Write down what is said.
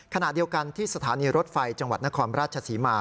ขณะเดียวกันที่สถานีรถไฟจังหวัดนครราชศรีมา